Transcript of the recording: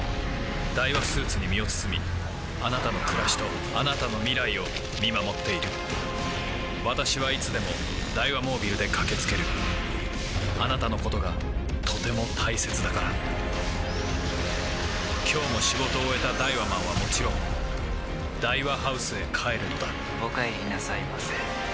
ダイワスーツに身を包みあなたの暮らしとあなたの未来を見守っている私はいつでもダイワモービルで駆け付けるあなたのことがとても大切だから今日も仕事を終えたダイワマンはもちろんダイワハウスへ帰るのだお帰りなさいませ。